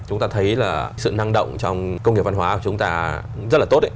chúng ta thấy là sự năng động trong công nghiệp văn hóa của chúng ta rất là tốt